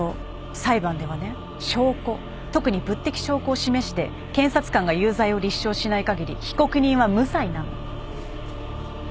裁判ではね証拠特に物的証拠を示して検察官が有罪を立証しないかぎり被告人は無罪なの。